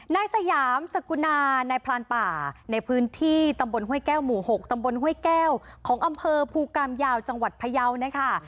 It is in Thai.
นายสยามสกุณานายพรานป่าในพื้นที่ตำบลห้วยแก้วหมู่๖ตำบลห้วยแก้วของอำเภอภูกรรมยาวจังหวัดพยาวนะคะ